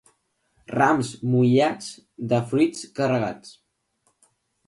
Rams mullats, de fruits carregats.